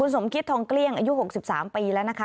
สมคิตทองเกลี้ยงอายุ๖๓ปีแล้วนะคะ